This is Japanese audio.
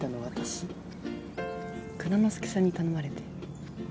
蔵之介さんに頼まれて。